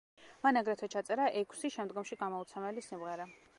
მან აგრეთვე ჩაწერა ექვსი, შემდგომში გამოუცემელი სიმღერა.